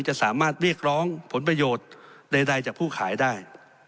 จะสามารถเรียกร้องผลประโยชน์ใดจากผู้ขายได้